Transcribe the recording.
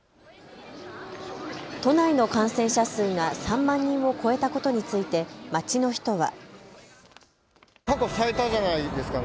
都内の感染者数が３万人を超えたことについて街の人は。